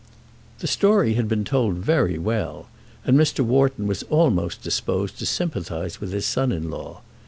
The story had been told very well, and Mr. Wharton was almost disposed to sympathise with his son in law.